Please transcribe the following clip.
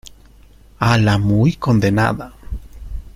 a la muy condenada.